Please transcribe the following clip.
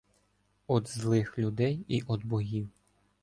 Од злих людей і од богів.